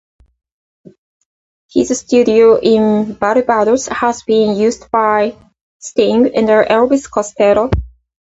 His studio in Barbados has been used by Sting and Elvis Costello.